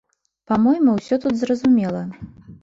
Па-мойму, усё тут зразумела.